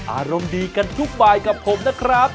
อารมณ์ดีกันทุกบายกับผมนะครับ